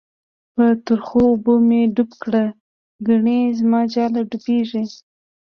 په ترخو اوبو می ډوب کړه، گڼی زماجاله ډوبیږی